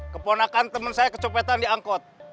keponakan temen saya kecopetan diangkut